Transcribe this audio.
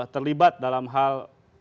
terlibat dalam hal